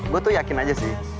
gue tuh yakin aja sih